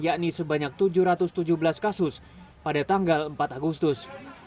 yakni sebanyak tujuh ratus tujuh belas kasus pada tanggal empat agustus